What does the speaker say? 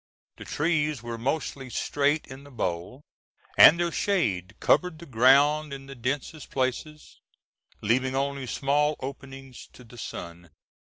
The trees were mostly straight in the bole, and their shade covered the ground in the densest places, leaving only small openings to the sun.